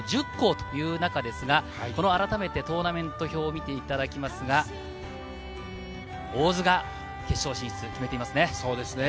校１０校という中ですが、あらためてトーナメント表を見ていただきますが、大津が決勝進出を決めています。